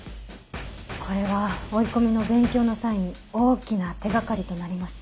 これは追い込みの勉強の際に大きな手掛かりとなります。